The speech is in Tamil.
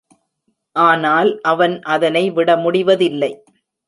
ஆனால் அவன் அதனை விடமுடிவதில்லை.